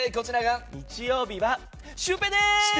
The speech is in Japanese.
日曜日はシュウペイでーす！